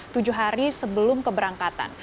tujuh hari sebelum keberangkatan